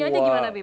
oh suka juga